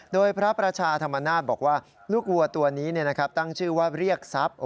โดยพระประชาธรรมนาฏบอกว่าลูกวัวตัวนี้ตั้งชื่อว่าเรียกทรัพย์